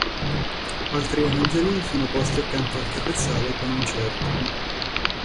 Altri angeli sono posti accanto al capezzale con un certo.